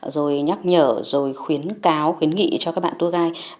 rồi nhắc nhở rồi khuyến cáo khuyến nghị cho các bạn tour guide